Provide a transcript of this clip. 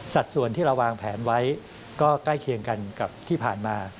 ส่วนที่เราวางแผนไว้ก็ใกล้เคียงกันกับที่ผ่านมา